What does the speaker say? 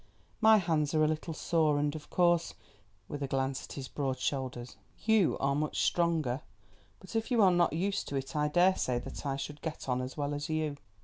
"My hands are a little sore, and, of course," with a glance at his broad shoulders, "you are much stronger. But if you are not used to it I dare say that I should get on as well as you."